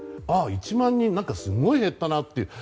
ああ、１万人ってすごい減ったなと。